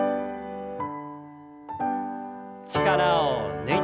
力を抜いて。